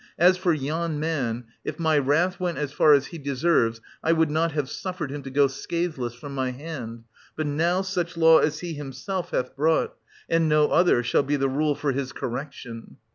As for yon man — if my wrath went as far as he deserves — I would not have suffered him to go scatheless from my hand. But now such law as he himself hath brought, and no other, shall be the rule for his correction.